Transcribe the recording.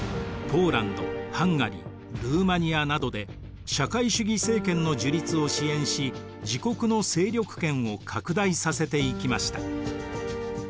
ポーランドハンガリールーマニアなどで社会主義政権の樹立を支援し自国の勢力圏を拡大させていきました。